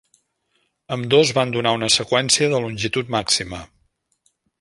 Ambdós van donar una seqüència de longitud màxima.